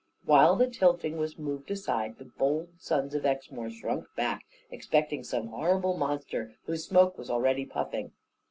While the tilting was moved aside, the bold sons of Exmoor shrunk back, expecting some horrible monster, whose smoke was already puffing.